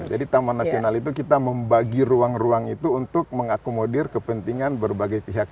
jadi taman nasional itu kita membagi ruang ruang itu untuk mengakomodir kepentingan berbagai pihak